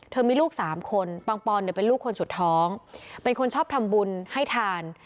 มีลูก๓คนปังปอนเนี่ยเป็นลูกคนสุดท้องเป็นคนชอบทำบุญให้ทาน